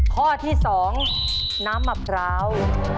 ข้อที่๒น้ำมะพร้าว